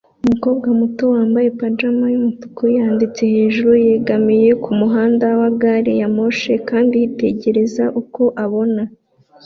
Umukobwa muto wambaye pajama yumutuku wanditse hejuru yegamiye kumuhanda wa gari ya moshi kandi yitegereza uko abona